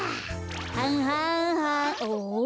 はんはんはん。おっ？